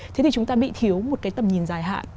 thế thì chúng ta bị thiếu một cái tầm nhìn dài hạn